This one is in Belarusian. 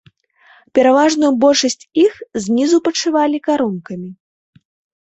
Пераважную большасць іх знізу падшывалі карункамі.